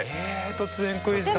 突然クイズだ。